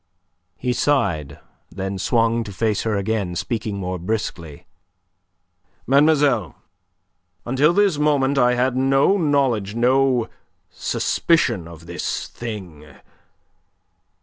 He sighed; then swung to face her again, speaking more briskly: "Mademoiselle, until this moment I had no knowledge no suspicion of this thing.